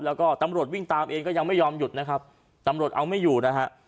แล้วก็ตำรวจวิ่งตามเองก็ยังไม่ยอมหยุดนะครับตำรวจเอาไม่อยู่นะฮะ